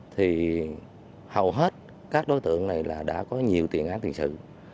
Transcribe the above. thì hầu hết các đối tượng này là đã có nhiều tiền án tiền sự